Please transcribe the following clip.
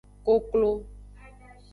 Koklo.